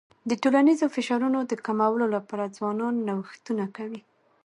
د ټولنیزو فشارونو د کمولو لپاره ځوانان نوښتونه کوي.